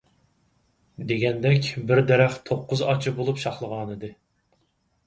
دېگەندەك، بىر دەرەخ توققۇز ئاچا بولۇپ شاخلىغانىدى.